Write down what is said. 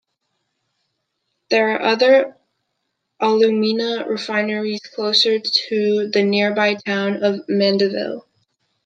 There are other alumina refineries close to the nearby town of Mandeville.